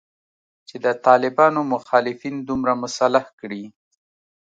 چې د طالبانو مخالفین دومره مسلح کړي